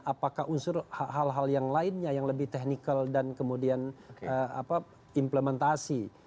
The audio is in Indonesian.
apakah unsur hal hal yang lainnya yang lebih teknikal dan kemudian implementasi